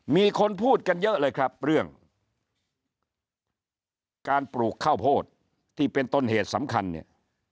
มีคนพูดกันเยอะเลยครับเรื่องการปลูกข้าวโพดที่เป็นต้นเหตุสำคัญเนี่ย